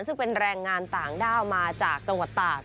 ซึ่งเป็นแรงงานต่างด้าวมาจากจังหวัดตาก